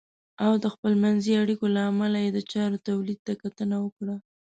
او د خپلمنځي اړیکو له امله یې د چارو تولید ته کتنه وکړه .